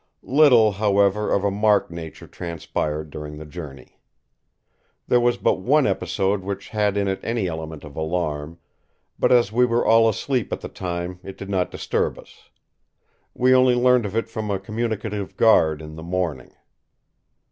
Little, however, of a marked nature transpired during the journey. There was but one episode which had in it any element of alarm, but as we were all asleep at the time it did not disturb us. We only learned it from a communicative guard in the morning.